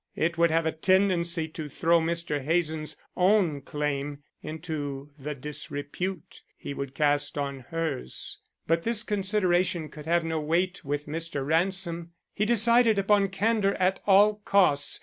It would have a tendency to throw Mr. Hazen's own claim into the disrepute he would cast on hers. But this consideration could have no weight with Mr. Ransom. He decided upon candor at all costs.